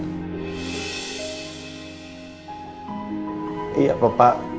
dan juga dengan apa yang sudah dia lakuin